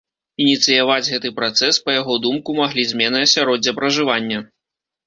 Ініцыяваць гэты працэс, па яго думку, маглі змены асяроддзя пражывання.